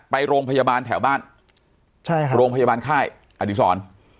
ไปโรงพยาบาลแถวบ้านใช่ค่ะโรงพยาบาลค่ายอด